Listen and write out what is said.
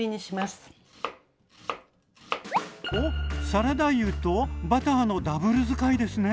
おっサラダ油とバターのダブル使いですね。